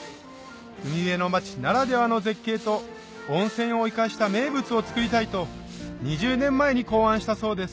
海辺の町ならではの絶景と温泉を生かした名物を作りたいと２０年前に考案したそうです